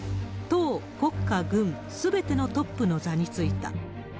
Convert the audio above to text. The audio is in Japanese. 党、国家、軍、すべてのトップの座に就いた。